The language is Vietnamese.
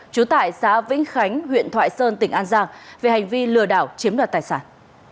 trú tại xã vĩnh khánh huyện thoại sơn tỉnh an giang về hành vi lừa đảo chiếm đoạt tài sản